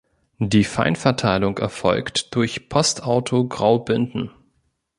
Die Feinverteilung erfolgt durch Postauto Graubünden.